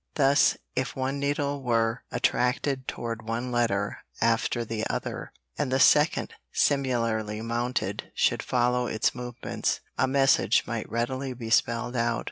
Thus, if one needle were attracted toward one letter after the other, and the second similarly mounted should follow its movements, a message might readily be spelled out.